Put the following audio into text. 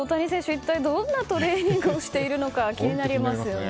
一体どんなトレーニングをしているのか気になりますよね。